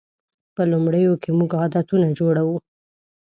په لومړیو کې موږ عادتونه جوړوو.